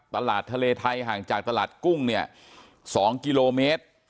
ตลาดทะเลไทยห่างจากตลาดกุ้งเนี่ย๒กิโลเมตร